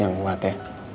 yang kuat ya